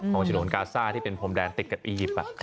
ฉนวนกาซ่าที่เป็นพรมแดนติดกับอียิปต์